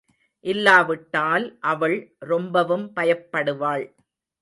இல்லாவிட்டால் அவள் ரொம்பவும் பயப்படுவாள்.